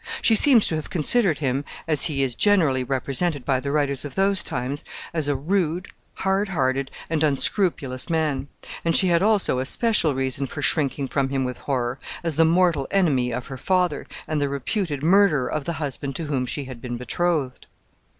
She seems to have considered him, as he is generally represented by the writers of those times, as a rude, hard hearted, and unscrupulous man; and she had also a special reason for shrinking from him with horror, as the mortal enemy of her father, and the reputed murderer of the husband to whom she had been betrothed.